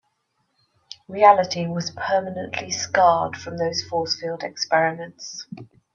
Reality was permanently scarred from those force field experiments.